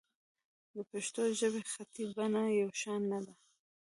د پښتو ژبې خطي بڼه یو شان نه ده.